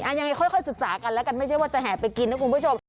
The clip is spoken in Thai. ยังไงค่อยศึกษากันแล้วกันไม่ใช่ว่าจะแห่ไปกินนะคุณผู้ชม